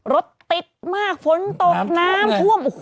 รถติดมากฝนตกน้ำท่วม